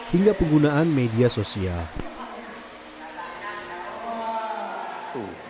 hingga penggunaan media sosial